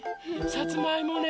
さつまいもね。